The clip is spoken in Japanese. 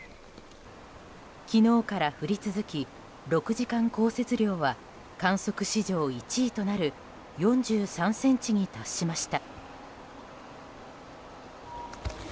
昨日から降り続き６時間降雪量は観測史上１位となる４３ｃｍに達しました。